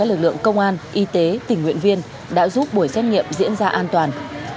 các lực lượng công an y tế tỉnh nguyện viên đã giúp buổi xét nghiệm diễn ra an toàn